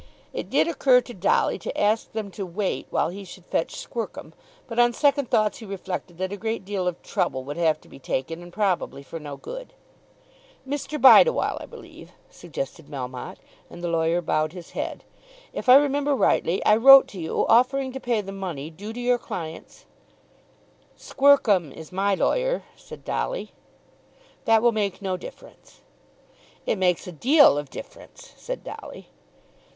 It did occur to Dolly to ask them to wait while he should fetch Squercum; but on second thoughts he reflected that a great deal of trouble would have to be taken, and probably for no good. "Mr. Bideawhile, I believe," suggested Melmotte; and the lawyer bowed his head. "If I remember rightly I wrote to you offering to pay the money due to your clients " "Squercum is my lawyer," said Dolly. "That will make no difference." "It makes a deal of difference," said Dolly.